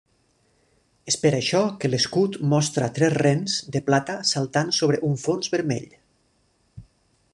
És per això que l'escut mostra tres rens de plata saltant sobre un fons vermell.